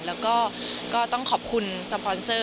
แล้วก็ก็ต้องขอบคุณสปอนเซอร์